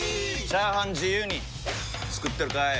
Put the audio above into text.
チャーハン自由に作ってるかい！？